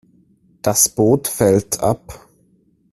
Das Boot fällt ab.